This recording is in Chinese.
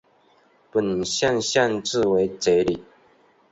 本县县治为杰里。